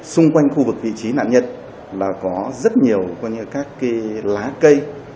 xung quanh khu vực vị trí nạn nhân là có rất nhiều các cái lá cây